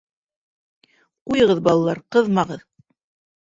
— Ҡуйығыҙ, балалар, ҡыҙмағыҙ.